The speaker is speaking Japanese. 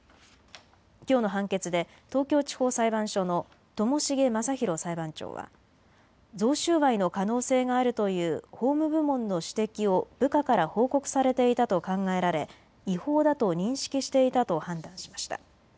きょうの判決で東京地方裁判所の友重雅裕裁判長は贈収賄の可能性があるという法務部門の指摘を部下から報告されていたと考えられ、違法だと認識していたと判断しました。